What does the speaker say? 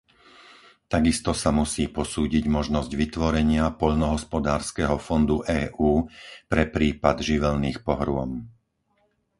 Takisto sa musí posúdiť možnosť vytvorenia poľnohospodárskeho fondu EÚ pre prípad živelných pohrôm.